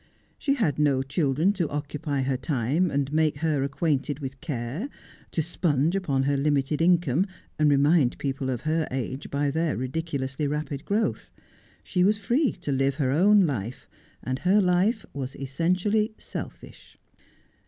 She had no children to occupy her time and make her acquainted with care, to sponge upon her limited income and remind people of her age by their ridiculously rapid growth. She was free to live her own life, and her life was essentially selfish.